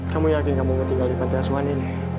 kamu yakin kamu akan tinggal di pantai aswani